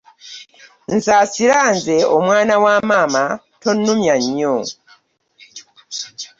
Nsaasira nze omwana wa maama tonnumya nnyo.